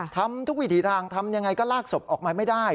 ทำทุกวิถีทางทำยังไงก็ลากศพออกมาไม่ได้